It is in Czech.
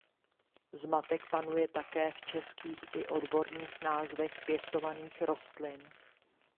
Zmatek panuje také v českých i odborných názvech pěstovaných rostlin.